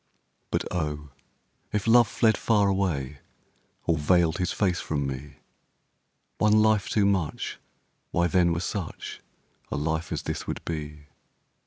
But oh! if love fled far away, Or veiled his face from me, One life too much, why then were such A life as this would be.